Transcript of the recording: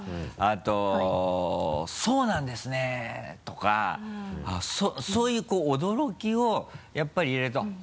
あと「そうなんですね」とか。そういう驚きをやっぱり入れると。